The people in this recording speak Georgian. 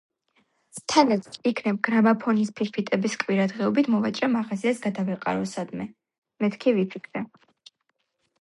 თანაც იქნებ გრამაფონის ფირფიტების კვირადღეობით მოვაჭრე მაღაზიას გადავეყარო სადმე - მეთქი, ვიფიქრე.